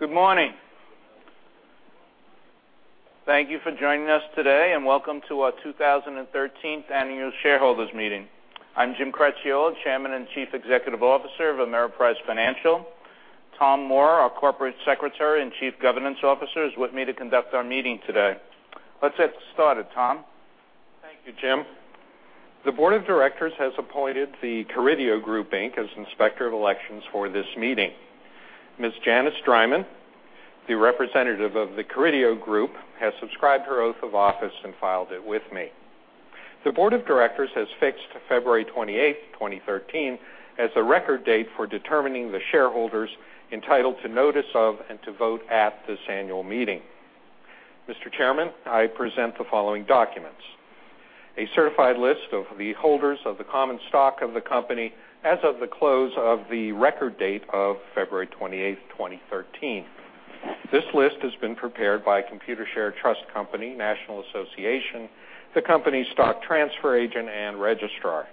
Good morning. Thank you for joining us today, and welcome to our 2013 annual shareholders meeting. I'm Jim Cracchiolo, Chairman and Chief Executive Officer of Ameriprise Financial. Tom Moore, our Corporate Secretary and Chief Governance Officer, is with me to conduct our meeting today. Let's get started, Tom. Thank you, Jim. The Board of Directors has appointed The Carideo Group Inc. as Inspector of Elections for this meeting. Ms. Janice Dryman, the representative of The Carideo Group, has subscribed her oath of office and filed it with me. The Board of Directors has fixed February 28th, 2013, as the record date for determining the shareholders entitled to notice of and to vote at this annual meeting. Mr. Chairman, I present the following documents. A certified list of the holders of the common stock of the company as of the close of the record date of February 28th, 2013. This list has been prepared by Computershare Trust Company, National Association, the company's stock transfer agent and registrar.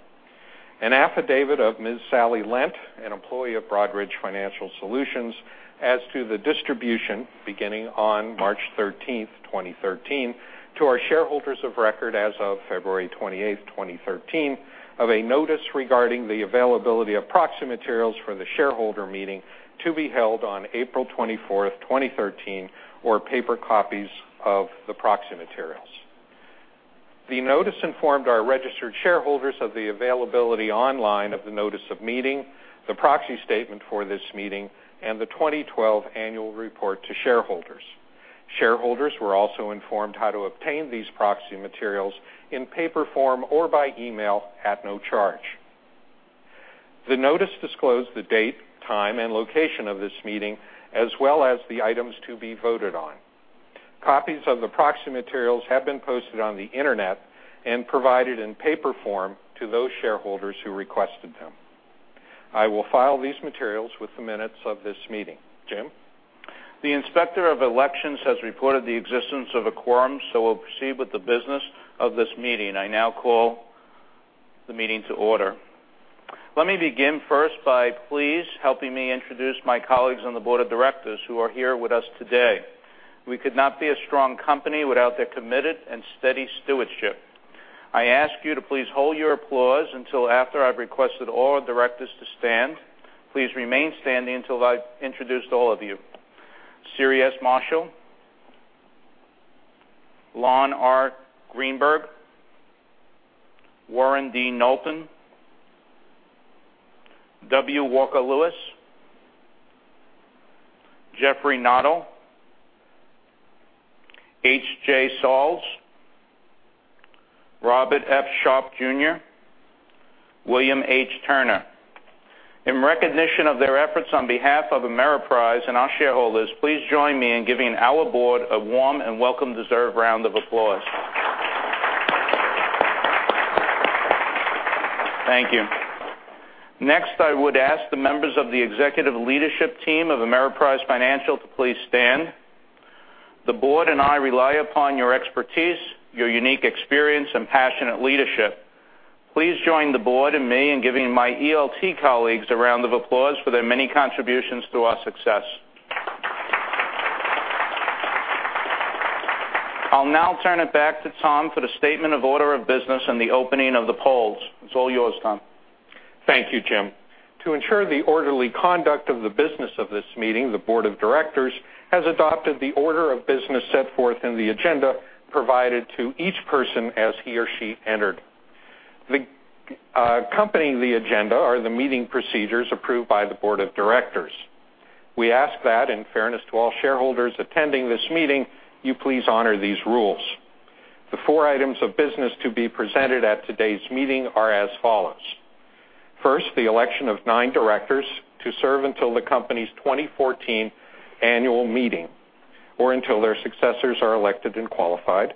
An affidavit of Ms. Sally Lent, an employee of Broadridge Financial Solutions, as to the distribution beginning on March 13th, 2013, to our shareholders of record as of February 28th, 2013, of a notice regarding the availability of proxy materials for the shareholder meeting to be held on April 24th, 2013, or paper copies of the proxy materials. The notice informed our registered shareholders of the availability online of the notice of meeting, the proxy statement for this meeting, and the 2012 annual report to shareholders. Shareholders were also informed how to obtain these proxy materials in paper form or by email at no charge. The notice disclosed the date, time, and location of this meeting, as well as the items to be voted on. Copies of the proxy materials have been posted on the internet and provided in paper form to those shareholders who requested them. I will file these materials with the minutes of this meeting. Jim? The Inspector of Elections has reported the existence of a quorum, so we'll proceed with the business of this meeting. I now call the meeting to order. Let me begin first by please helping me introduce my colleagues on the board of directors who are here with us today. We could not be a strong company without their committed and steady stewardship. I ask you to please hold your applause until after I've requested all our directors to stand. Please remain standing until I've introduced all of you. Siri S. Marshall, Lon R. Greenberg, Warren D. Knowlton, W. Walker Lewis, Jeffrey Noddle, H.J. Sarles, Robert F. Sharpe, Jr., William H. Turner. In recognition of their efforts on behalf of Ameriprise and our shareholders, please join me in giving our board a warm and welcome deserved round of applause. Thank you. Next, I would ask the members of the executive leadership team of Ameriprise Financial to please stand. The board and I rely upon your expertise, your unique experience and passionate leadership. Please join the board and me in giving my ELT colleagues a round of applause for their many contributions to our success. I'll now turn it back to Tom for the statement of order of business and the opening of the polls. It's all yours, Tom. Thank you, Jim. To ensure the orderly conduct of the business of this meeting, the board of directors has adopted the order of business set forth in the agenda provided to each person as he or she entered. Accompanying the agenda are the meeting procedures approved by the board of directors. We ask that, in fairness to all shareholders attending this meeting, you please honor these rules. The four items of business to be presented at today's meeting are as follows. First, the election of nine directors to serve until the company's 2014 annual meeting or until their successors are elected and qualified.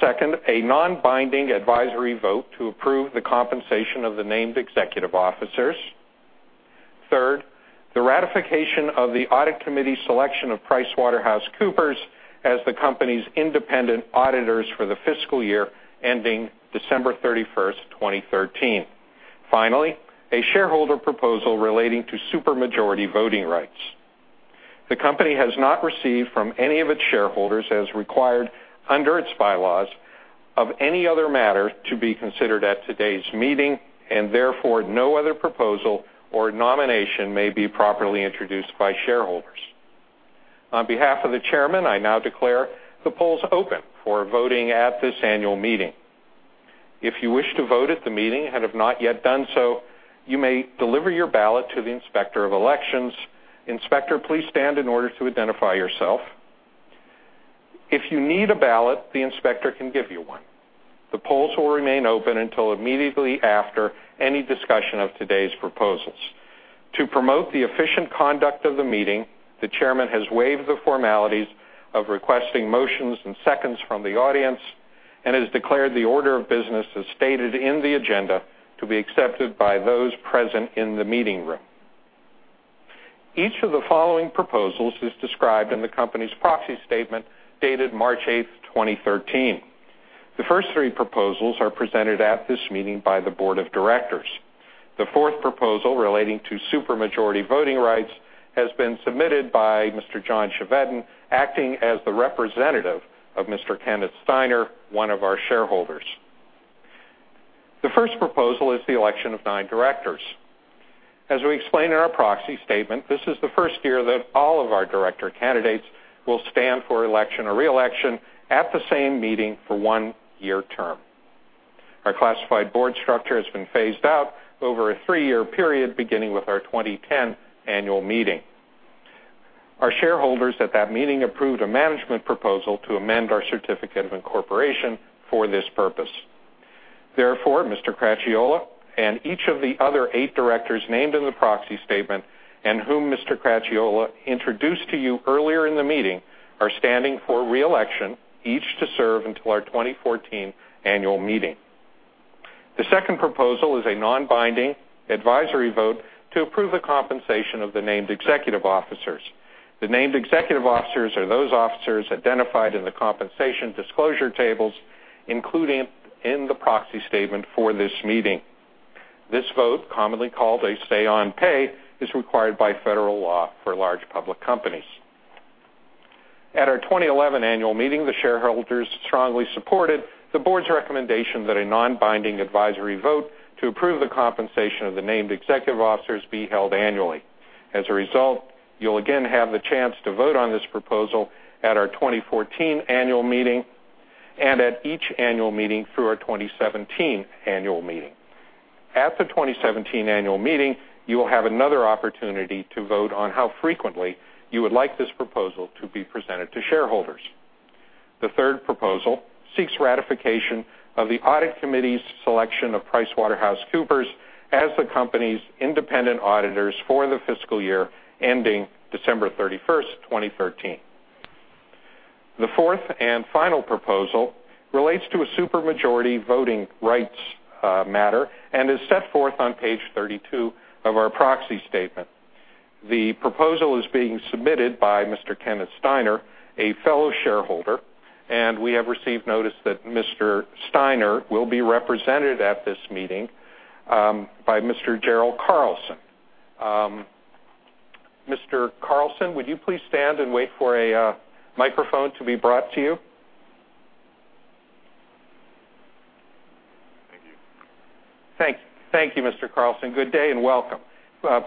Second, a non-binding advisory vote to approve the compensation of the named executive officers. Third, the ratification of the audit committee selection of PricewaterhouseCoopers as the company's independent auditors for the fiscal year ending December 31st, 2013. Finally, a shareholder proposal relating to supermajority voting rights. The company has not received from any of its shareholders as required under its bylaws of any other matter to be considered at today's meeting, and therefore, no other proposal or nomination may be properly introduced by shareholders. On behalf of the chairman, I now declare the polls open for voting at this annual meeting. If you wish to vote at the meeting and have not yet done so, you may deliver your ballot to the Inspector of Elections. Inspector, please stand in order to identify yourself. If you need a ballot, the inspector can give you one. The polls will remain open until immediately after any discussion of today's proposals. To promote the efficient conduct of the meeting, the chairman has waived the formalities of requesting motions and seconds from the audience and has declared the order of business as stated in the agenda to be accepted by those present in the meeting room. Each of the following proposals is described in the company's proxy statement dated March 8, 2013. The first three proposals are presented at this meeting by the board of directors. The fourth proposal relating to supermajority voting rights has been submitted by Mr. John Chevedden, acting as the representative of Mr. Kenneth Steiner, one of our shareholders. The first proposal is the election of nine directors. As we explain in our proxy statement, this is the first year that all of our director candidates will stand for election or re-election at the same meeting for one-year term. Our classified board structure has been phased out over a three-year period, beginning with our 2010 annual meeting. Our shareholders at that meeting approved a management proposal to amend our certificate of incorporation for this purpose. Therefore, Mr. Cracchiolo and each of the other eight directors named in the proxy statement, and whom Mr. Cracchiolo introduced to you earlier in the meeting, are standing for re-election, each to serve until our 2014 annual meeting. The second proposal is a non-binding advisory vote to approve the compensation of the named executive officers. The named executive officers are those officers identified in the compensation disclosure tables, including in the proxy statement for this meeting. This vote, commonly called a say on pay, is required by federal law for large public companies. At our 2011 annual meeting, the shareholders strongly supported the board's recommendation that a non-binding advisory vote to approve the compensation of the named executive officers be held annually. As a result, you'll again have the chance to vote on this proposal at our 2014 annual meeting and at each annual meeting through our 2017 annual meeting. At the 2017 annual meeting, you will have another opportunity to vote on how frequently you would like this proposal to be presented to shareholders. The third proposal seeks ratification of the audit committee's selection of PricewaterhouseCoopers as the company's independent auditors for the fiscal year ending December 31, 2013. The fourth and final proposal relates to a supermajority voting rights matter and is set forth on page 32 of our proxy statement. The proposal is being submitted by Mr. Kenneth Steiner, a fellow shareholder, and we have received notice that Mr. Steiner will be represented at this meeting by Mr. Gerald Carlson. Mr. Carlson, would you please stand and wait for a microphone to be brought to you? Thank you. Thank you, Mr. Carlson. Good day and welcome.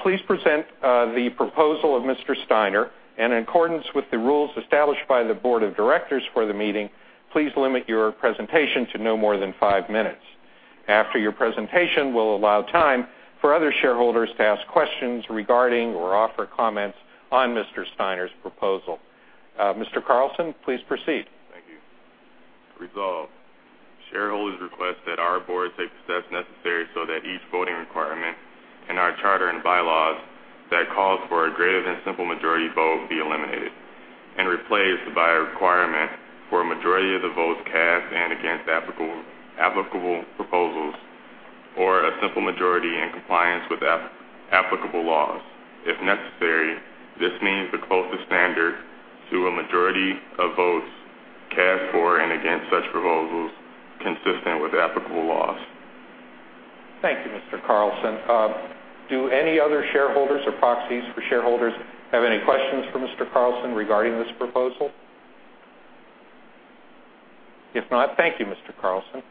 Please present the proposal of Mr. Steiner and in accordance with the rules established by the Board of Directors for the meeting, please limit your presentation to no more than five minutes. After your presentation, we will allow time for other shareholders to ask questions regarding or offer comments on Mr. Steiner's proposal. Mr. Carlson, please proceed. Thank you. Resolve. Shareholders request that our Board take such steps necessary so that each voting requirement in our charter and bylaws that calls for a greater than simple majority vote be eliminated and replaced by a requirement for a majority of the votes cast and against applicable proposals or a simple majority in compliance with applicable laws. If necessary, this means the closest standard to a majority of votes cast for and against such proposals consistent with applicable laws. Thank you, Mr. Carlson. Do any other shareholders or proxies for shareholders have any questions for Mr. Carlson regarding this proposal? If not, thank you, Mr. Carlson. Thank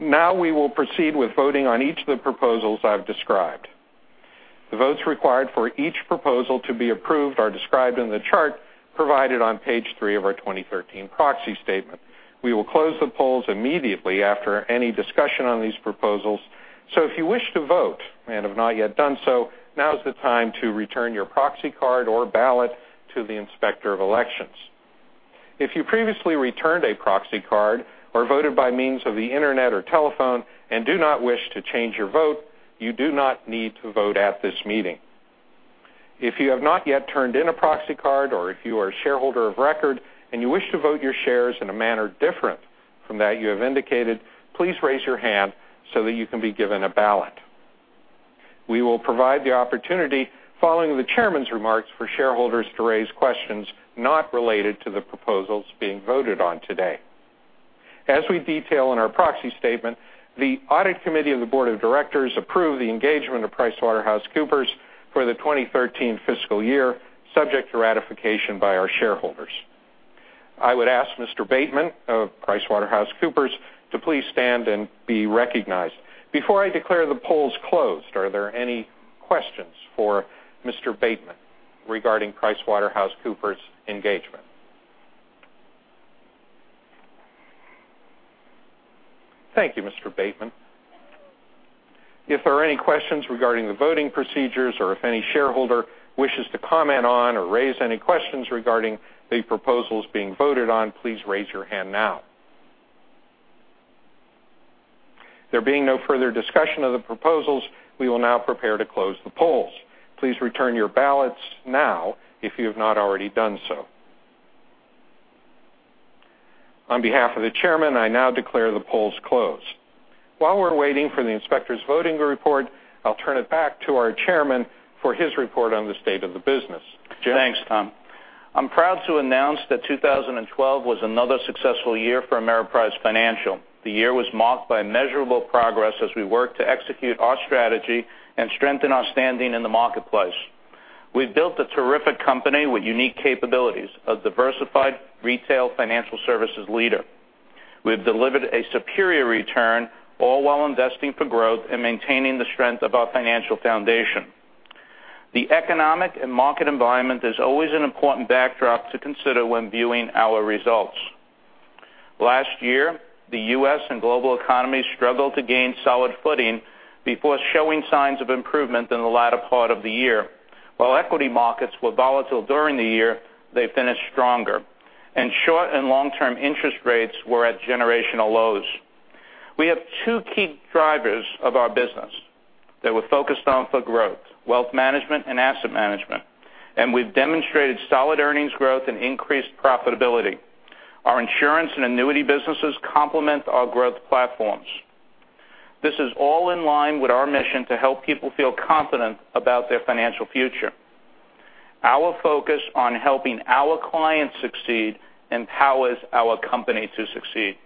you. Now we will proceed with voting on each of the proposals I've described. The votes required for each proposal to be approved are described in the chart provided on page three of our 2013 proxy statement. We will close the polls immediately after any discussion on these proposals. If you wish to vote and have not yet done so, now is the time to return your proxy card or ballot to the Inspector of Elections. If you previously returned a proxy card or voted by means of the internet or telephone and do not wish to change your vote, you do not need to vote at this meeting. If you have not yet turned in a proxy card or if you are a shareholder of record and you wish to vote your shares in a manner different from that you have indicated, please raise your hand so that you can be given a ballot. We will provide the opportunity following the chairman's remarks for shareholders to raise questions not related to the proposals being voted on today. As we detail in our proxy statement, the audit committee of the board of directors approved the engagement of PricewaterhouseCoopers for the 2013 fiscal year, subject to ratification by our shareholders. I would ask Mr. Bateman of PricewaterhouseCoopers to please stand and be recognized. Before I declare the polls closed, are there any questions for Mr. Bateman regarding PricewaterhouseCoopers' engagement? Thank you, Mr. Bateman. If there are any questions regarding the voting procedures or if any shareholder wishes to comment on or raise any questions regarding the proposals being voted on, please raise your hand now. There being no further discussion of the proposals, we will now prepare to close the polls. Please return your ballots now if you have not already done so. On behalf of the chairman, I now declare the polls closed. While we're waiting for the inspectors' voting report, I'll turn it back to our chairman for his report on the state of the business. Jim? Thanks, Tom. I'm proud to announce that 2012 was another successful year for Ameriprise Financial. The year was marked by measurable progress as we worked to execute our strategy and strengthen our standing in the marketplace. We've built a terrific company with unique capabilities, a diversified retail financial services leader. We have delivered a superior return, all while investing for growth and maintaining the strength of our financial foundation. The economic and market environment is always an important backdrop to consider when viewing our results. Last year, the U.S. and global economy struggled to gain solid footing before showing signs of improvement in the latter part of the year. While equity markets were volatile during the year, they finished stronger. Short and long-term interest rates were at generational lows. We have two key drivers of our business that we're focused on for growth, wealth management and asset management, and we've demonstrated solid earnings growth and increased profitability. Our insurance and annuity businesses complement our growth platforms. This is all in line with our mission to help people feel confident about their financial future. Our focus on helping our clients succeed empowers our company to succeed.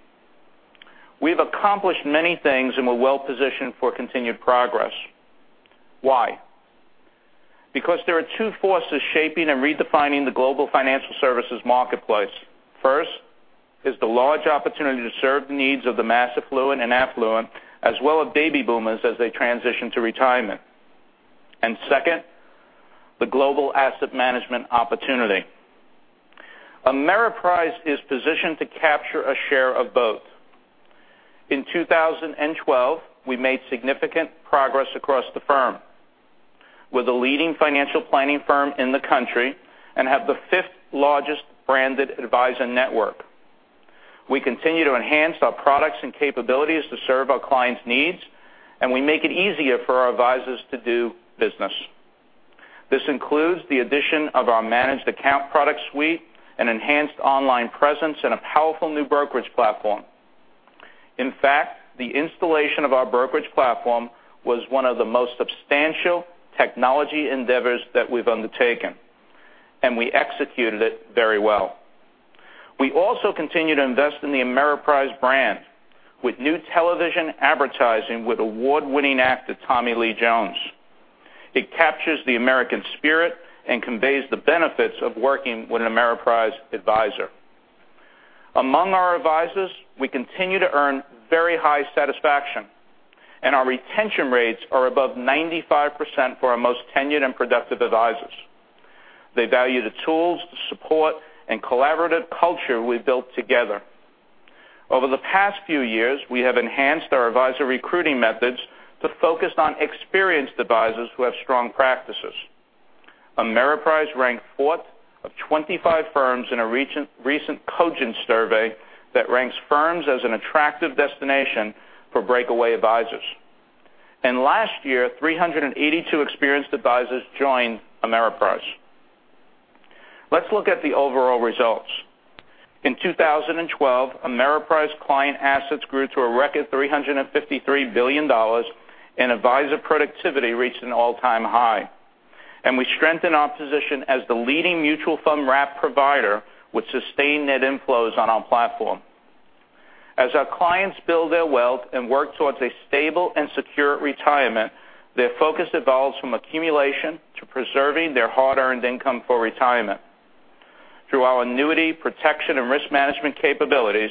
We've accomplished many things and we're well-positioned for continued progress. Why? Because there are two forces shaping and redefining the global financial services marketplace. First is the large opportunity to serve the needs of the mass affluent and affluent, as well as baby boomers as they transition to retirement. Second, the global asset management opportunity. Ameriprise is positioned to capture a share of both. In 2012, we made significant progress across the firm. We're the leading financial planning firm in the country and have the fifth-largest branded advisor network. We continue to enhance our products and capabilities to serve our clients' needs, and we make it easier for our advisors to do business. This includes the addition of our managed account product suite, an enhanced online presence, and a powerful new brokerage platform. In fact, the installation of our brokerage platform was one of the most substantial technology endeavors that we've undertaken, and we executed it very well. We also continue to invest in the Ameriprise brand with new television advertising with award-winning actor Tommy Lee Jones. It captures the American spirit and conveys the benefits of working with an Ameriprise advisor. Among our advisors, we continue to earn very high satisfaction, and our retention rates are above 95% for our most tenured and productive advisors. They value the tools, the support, and collaborative culture we've built together. Over the past few years, we have enhanced our advisor recruiting methods to focus on experienced advisors who have strong practices. Ameriprise ranked fourth of 25 firms in a recent Cogent survey that ranks firms as an attractive destination for breakaway advisors. Last year, 382 experienced advisors joined Ameriprise. Let's look at the overall results. In 2012, Ameriprise client assets grew to a record $353 billion, and advisor productivity reached an all-time high. We strengthened our position as the leading mutual fund wrap provider with sustained net inflows on our platform. As our clients build their wealth and work towards a stable and secure retirement, their focus evolves from accumulation to preserving their hard-earned income for retirement. Through our annuity protection and risk management capabilities,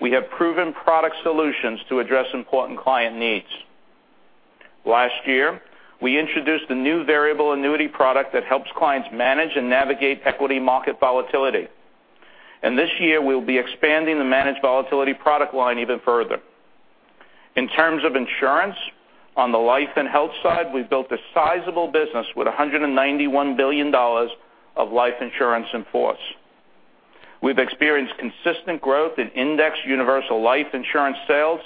we have proven product solutions to address important client needs. Last year, we introduced a new variable annuity product that helps clients manage and navigate equity market volatility. This year, we'll be expanding the managed volatility product line even further. In terms of insurance, on the life and health side, we've built a sizable business with $191 billion of life insurance in force. We've experienced consistent growth in indexed universal life insurance sales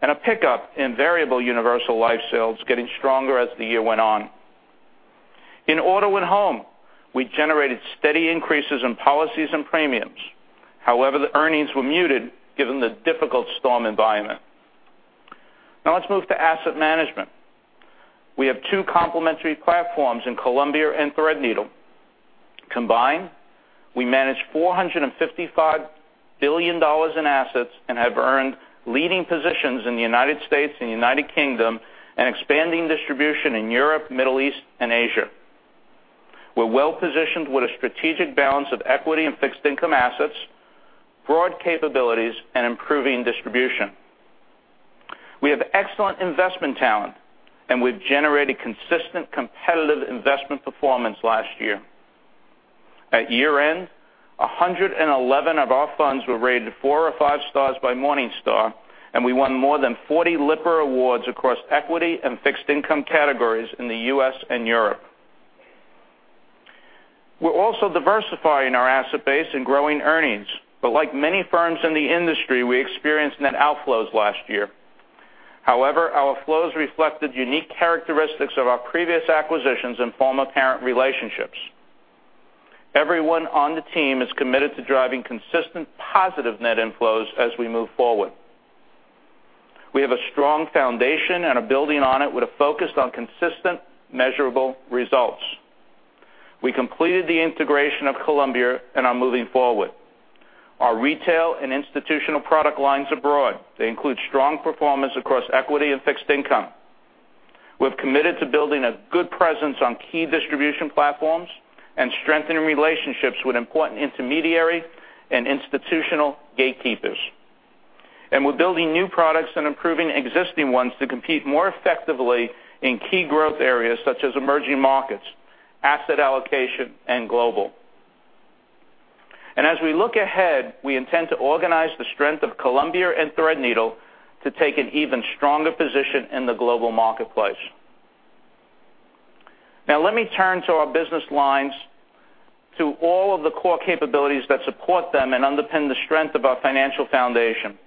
and a pickup in variable universal life sales getting stronger as the year went on. In auto and home, we generated steady increases in policies and premiums. However, the earnings were muted given the difficult storm environment. Now let's move to asset management. We have two complementary platforms in Columbia and Threadneedle. Combined, we manage $455 billion in assets and have earned leading positions in the U.S. and U.K. and expanding distribution in Europe, Middle East, and Asia. We're well-positioned with a strategic balance of equity and fixed income assets, broad capabilities, and improving distribution. We have excellent investment talent. We've generated consistent competitive investment performance last year. At year-end, 111 of our funds were rated four or five stars by Morningstar, and we won more than 40 Lipper awards across equity and fixed income categories in the U.S. and Europe. We're also diversifying our asset base and growing earnings. Like many firms in the industry, we experienced net outflows last year. However, our flows reflected unique characteristics of our previous acquisitions and former parent relationships. Everyone on the team is committed to driving consistent positive net inflows as we move forward. We have a strong foundation and are building on it with a focus on consistent, measurable results. We completed the integration of Columbia and are moving forward. Our retail and institutional product lines are broad. They include strong performance across equity and fixed income. We've committed to building a good presence on key distribution platforms and strengthening relationships with important intermediary and institutional gatekeepers. We're building new products and improving existing ones to compete more effectively in key growth areas such as emerging markets, asset allocation, and global. As we look ahead, we intend to organize the strength of Columbia and Threadneedle to take an even stronger position in the global marketplace. Now let me turn to our business lines, to all of the core capabilities that support them and underpin the strength of our financial foundation,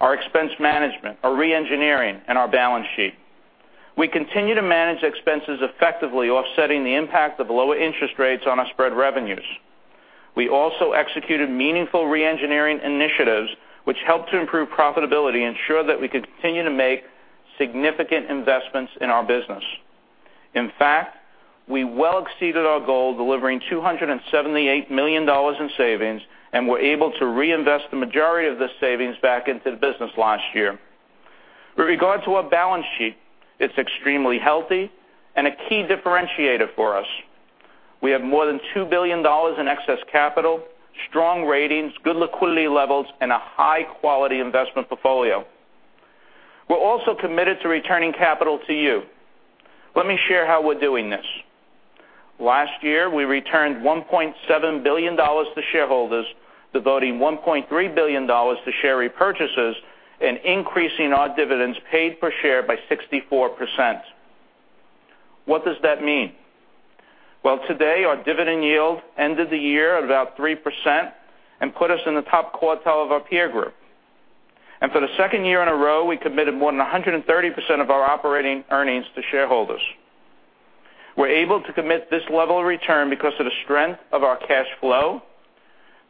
our expense management, our re-engineering, and our balance sheet. We continue to manage expenses effectively, offsetting the impact of lower interest rates on our spread revenues. We also executed meaningful re-engineering initiatives, which helped to improve profitability, ensure that we could continue to make significant investments in our business. In fact, we well exceeded our goal, delivering $278 million in savings, and were able to reinvest the majority of this savings back into the business last year. With regard to our balance sheet, it's extremely healthy and a key differentiator for us. We have more than $2 billion in excess capital, strong ratings, good liquidity levels, and a high-quality investment portfolio. We're also committed to returning capital to you. Let me share how we're doing this. Last year, we returned $1.7 billion to shareholders, devoting $1.3 billion to share repurchases and increasing our dividends paid per share by 64%. What does that mean? Well, today, our dividend yield ended the year at about 3% and put us in the top quartile of our peer group. For the second year in a row, we committed more than 130% of our operating earnings to shareholders. We're able to commit this level of return because of the strength of our cash flow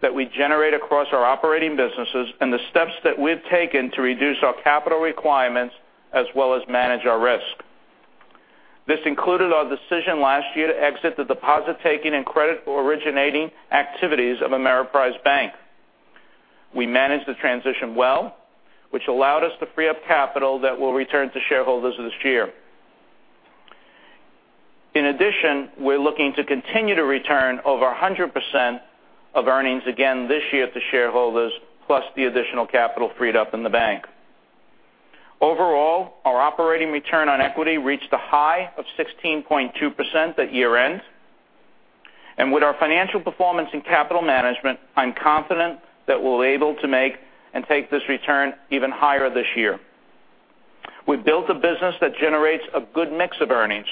that we generate across our operating businesses and the steps that we've taken to reduce our capital requirements, as well as manage our risk. This included our decision last year to exit the deposit-taking and credit-originating activities of Ameriprise Bank. We managed the transition well, which allowed us to free up capital that we'll return to shareholders this year. In addition, we're looking to continue to return over 100% of earnings again this year to shareholders, plus the additional capital freed up in the bank. Overall, our operating return on equity reached a high of 16.2% at year-end. With our financial performance and capital management, I'm confident that we'll be able to make and take this return even higher this year. We've built a business that generates a good mix of earnings.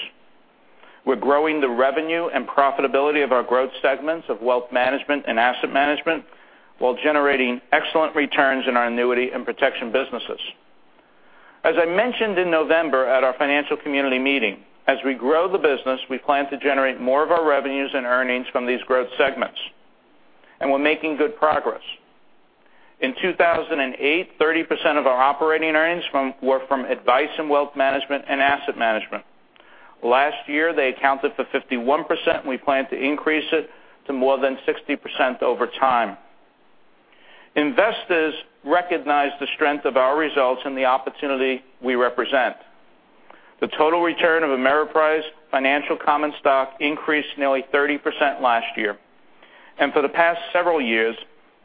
We're growing the revenue and profitability of our growth segments of wealth management and asset management while generating excellent returns in our annuity and protection businesses. As I mentioned in November at our financial community meeting, as we grow the business, we plan to generate more of our revenues and earnings from these growth segments, and we're making good progress. In 2008, 30% of our operating earnings were from advice in wealth management and asset management. Last year, they accounted for 51%, and we plan to increase it to more than 60% over time. Investors recognize the strength of our results and the opportunity we represent. The total return of Ameriprise Financial common stock increased nearly 30% last year. For the past several years,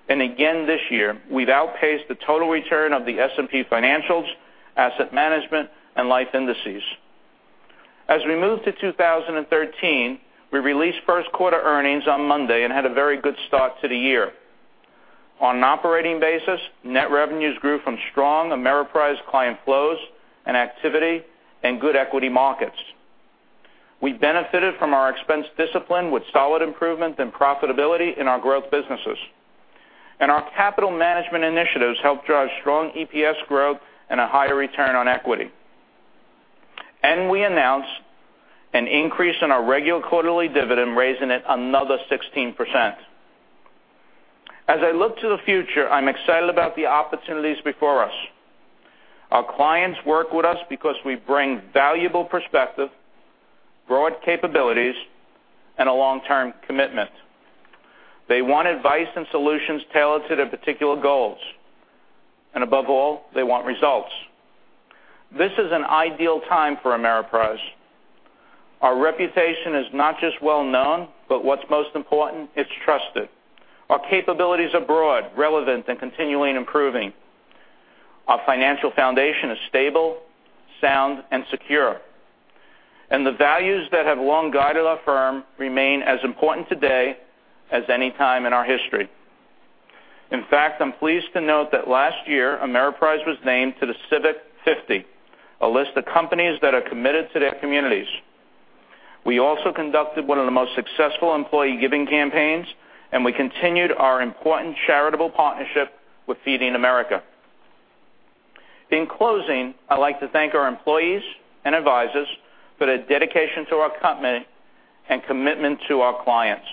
and again this year, we've outpaced the total return of the S&P Financials Asset Management and Life Indices. As we move to 2013, we released first quarter earnings on Monday and had a very good start to the year. On an operating basis, net revenues grew from strong Ameriprise client flows and activity and good equity markets. We benefited from our expense discipline with solid improvement and profitability in our growth businesses. Our capital management initiatives helped drive strong EPS growth and a higher return on equity. We announced an increase in our regular quarterly dividend, raising it another 16%. As I look to the future, I'm excited about the opportunities before us. Our clients work with us because we bring valuable perspective, broad capabilities, and a long-term commitment. They want advice and solutions tailored to their particular goals, and above all, they want results. This is an ideal time for Ameriprise. Our reputation is not just well-known, but what's most important, it's trusted. Our capabilities are broad, relevant, and continually improving. Our financial foundation is stable, sound, and secure. The values that have long guided our firm remain as important today as any time in our history. In fact, I'm pleased to note that last year, Ameriprise was named to The Civic 50, a list of companies that are committed to their communities. We also conducted one of the most successful employee giving campaigns, and we continued our important charitable partnership with Feeding America. In closing, I'd like to thank our employees and advisors for their dedication to our company and commitment to our clients.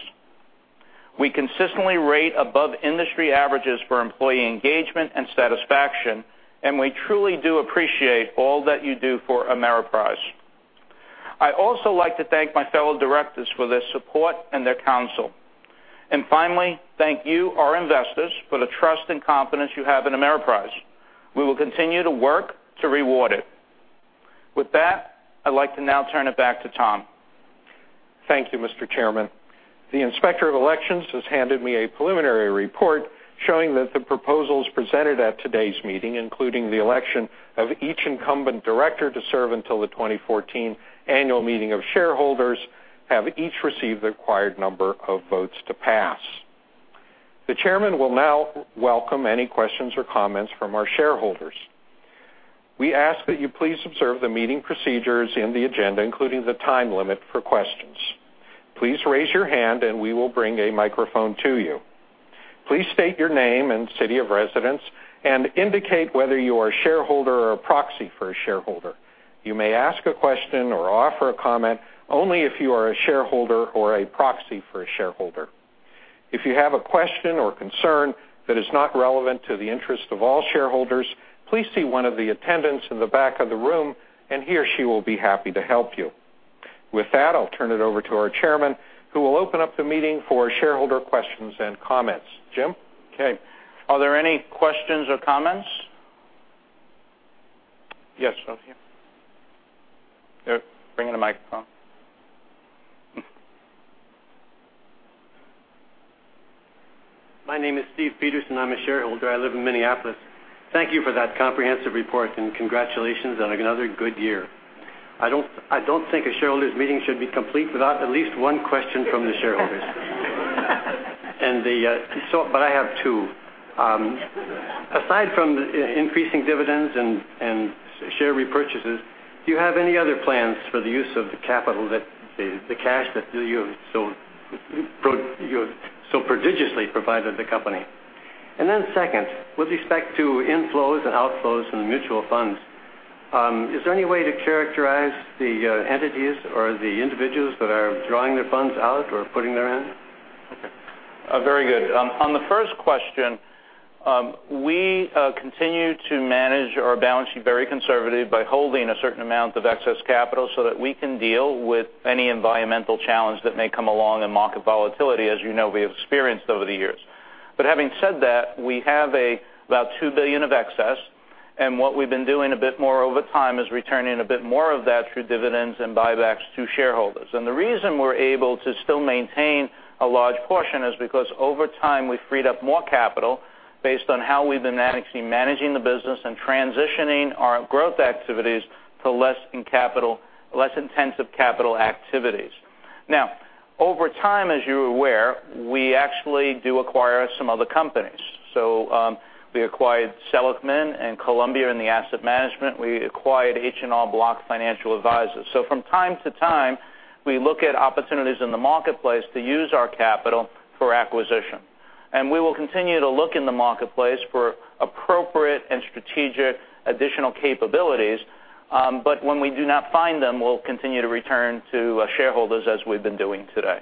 We consistently rate above industry averages for employee engagement and satisfaction, we truly do appreciate all that you do for Ameriprise. I'd also like to thank my fellow directors for their support and their counsel. Finally, thank you, our investors, for the trust and confidence you have in Ameriprise. We will continue to work to reward it. With that, I'd like to now turn it back to Tom. Thank you, Mr. Chairman. The Inspector of Elections has handed me a preliminary report showing that the proposals presented at today's meeting, including the election of each incumbent director to serve until the 2014 annual meeting of shareholders, have each received the required number of votes to pass. The chairman will now welcome any questions or comments from our shareholders. We ask that you please observe the meeting procedures in the agenda, including the time limit for questions. Please raise your hand and we will bring a microphone to you. Please state your name and city of residence and indicate whether you are a shareholder or a proxy for a shareholder. You may ask a question or offer a comment only if you are a shareholder or a proxy for a shareholder. If you have a question or concern that is not relevant to the interest of all shareholders, please see one of the attendants in the back of the room and he or she will be happy to help you. With that, I'll turn it over to our chairman, who will open up the meeting for shareholder questions and comments. Jim? Okay. Are there any questions or comments? Yes, over here. They're bringing a microphone. My name is Steve Peterson. I'm a shareholder. I live in Minneapolis. Thank you for that comprehensive report and congratulations on another good year. I don't think a shareholders' meeting should be complete without at least one question from the shareholders. I have two. Aside from increasing dividends and share repurchases, do you have any other plans for the use of the capital that the cash that you have so prodigiously provided the company? Second, with respect to inflows and outflows from the mutual funds, is there any way to characterize the entities or the individuals that are drawing their funds out or putting their in? Very good. On the first question, we continue to manage our balance sheet very conservative by holding a certain amount of excess capital so that we can deal with any environmental challenge that may come along, and market volatility, as you know, we have experienced over the years. Having said that, we have about $2 billion of excess. What we've been doing a bit more over time is returning a bit more of that through dividends and buybacks to shareholders. The reason we're able to still maintain a large portion is because over time, we've freed up more capital based on how we've been managing the business and transitioning our growth activities to less intensive capital activities. Over time, as you're aware, we actually do acquire some other companies. We acquired Seligman and Columbia in the asset management. We acquired H&R Block Financial Advisors. From time to time, we look at opportunities in the marketplace to use our capital for acquisition. We will continue to look in the marketplace for appropriate and strategic additional capabilities. When we do not find them, we'll continue to return to shareholders as we've been doing today.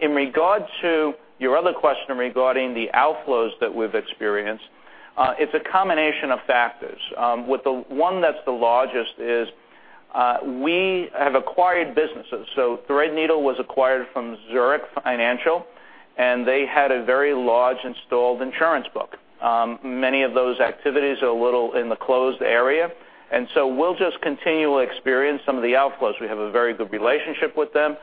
In regard to your other question regarding the outflows that we've experienced, it's a combination of factors. The one that's the largest is, we have acquired businesses. Threadneedle was acquired from Zurich Financial, and they had a very large installed insurance book. Many of those activities are a little in the closed area, we'll just continue to experience some of the outflows. We have a very good relationship with them.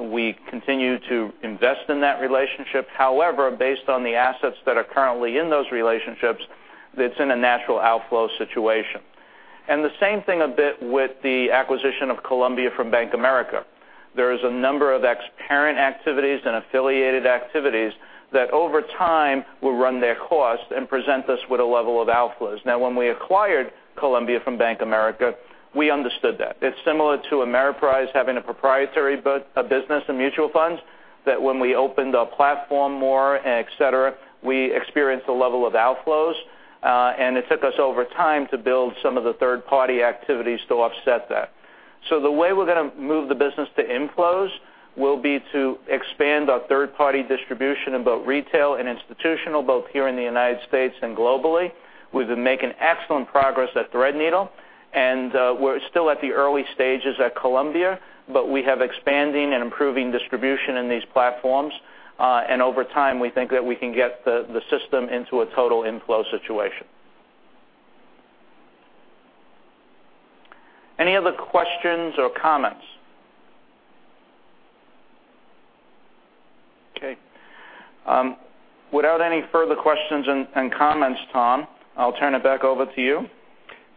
We continue to invest in that relationship. However, based on the assets that are currently in those relationships, it's in a natural outflow situation. The same thing a bit with the acquisition of Columbia from Bank of America. There is a number of ex-parent activities and affiliated activities that over time will run their course and present us with a level of outflows. When we acquired Columbia from Bank of America, we understood that. It's similar to Ameriprise having a proprietary business in mutual funds, that when we opened our platform more, et cetera, we experienced a level of outflows. It took us over time to build some of the third-party activities to offset that. The way we're going to move the business to inflows will be to expand our third-party distribution in both retail and institutional, both here in the U.S. and globally. We've been making excellent progress at Threadneedle, and we're still at the early stages at Columbia, but we have expanding and improving distribution in these platforms. Over time, we think that we can get the system into a total inflow situation. Any other questions or comments? Okay. Without any further questions and comments, Tom, I'll turn it back over to you.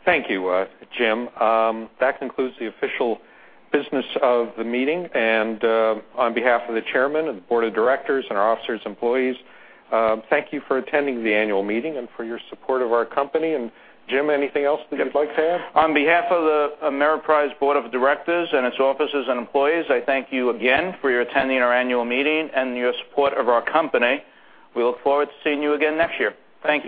Thank you, Jim. That concludes the official business of the meeting. On behalf of the chairman and the board of directors and our officers, employees, thank you for attending the annual meeting and for your support of our company. Jim, anything else that you'd like to add? On behalf of the Ameriprise Board of Directors and its officers and employees, I thank you again for your attending our annual meeting and your support of our company. We look forward to seeing you again next year. Thank you.